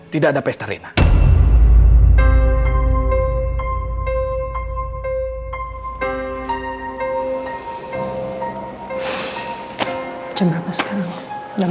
tidak ada permintaan